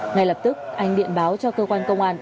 ngay lập tức anh điện báo cho cơ quan công an